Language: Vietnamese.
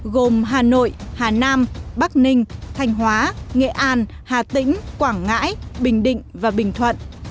gồm hà nội hà nam bắc ninh thanh hóa nghệ an hà tĩnh quảng ngãi bình định và bình thuận